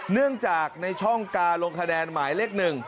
เนื่องจากในช่องการลงคะแนนหมายเลข๑